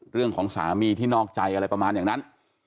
เรื่องของสามีที่นอกใจอะไรประมาณอย่างนั้น